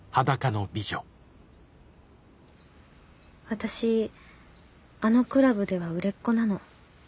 私あのクラブでは売れっ子なの。